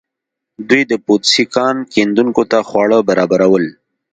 دوی د پوتسي کان کیندونکو ته خواړه برابرول.